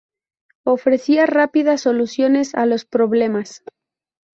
Ofrecía rápidas soluciones a los problemas.